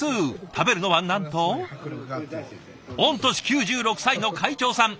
食べるのはなんと御年９６歳の会長さん。